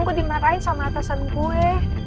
gue dimarahin sama atasan gue